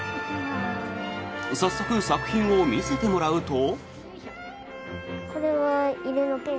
早速、作品を見せてもらうと。